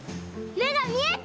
めがみえた！